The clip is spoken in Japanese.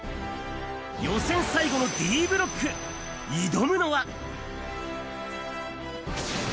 予選最後のＤブロック、挑むのは。